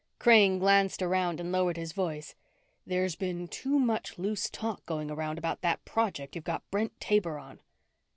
Crane glanced around and lowered his voice. "There's been too much loose talk going around about that project you've got Brent Taber on."